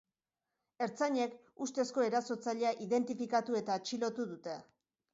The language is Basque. Ertzainek ustezko erasotzailea identifikatu eta atxilotu dute.